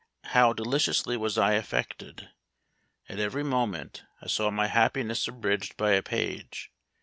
How deliciously was I affected! At every moment I saw my happiness abridged by a page.